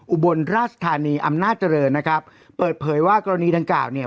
อุบลราชธานีอำนาจเจริญนะครับเปิดเผยว่ากรณีดังกล่าวเนี่ย